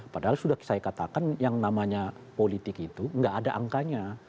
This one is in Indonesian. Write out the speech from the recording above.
padahal sudah saya katakan yang namanya politik itu nggak ada angkanya